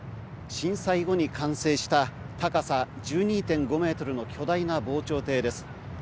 震災後に完成した高さ１２．５メートルの巨大な防潮堤です。